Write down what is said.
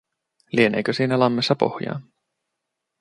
Lieneekö siinä lammessa pohjaa?